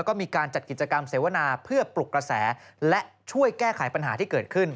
ก็มีการจัดกิจกรรมเสวนาเพื่อปลุกกระแสและช่วยแก้ไขปัญหาที่เกิดขึ้น